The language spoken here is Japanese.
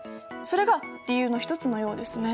それが理由の一つのようですね。